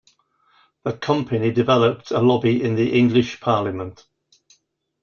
The company developed a lobby in the English parliament.